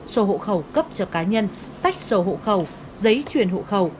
sổ hộ khẩu cấp cho cá nhân tách sổ hộ khẩu giấy truyền hộ khẩu